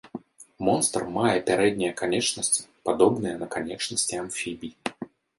Монстр мае пярэднія канечнасці, падобныя на канечнасці амфібій.